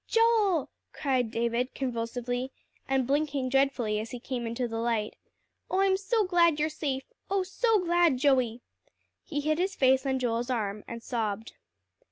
"Joel!" cried David convulsively, and blinking dreadfully as he came into the light. "Oh, I'm so glad you're safe oh, so glad, Joey!" He hid his face on Joel's arm, and sobbed.